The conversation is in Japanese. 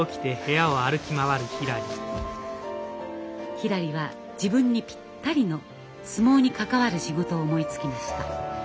ひらりは自分にぴったりの相撲に関わる仕事を思いつきました。